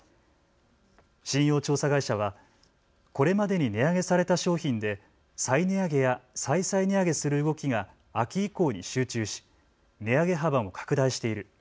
信用調査会社はこれまでに値上げされた商品で再値上げや再々値上げする動きが秋以降に集中し値上げ幅も拡大している。